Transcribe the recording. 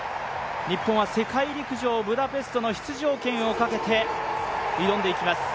日本は世界陸上ブダペストの出場権をかけて挑んでいきます。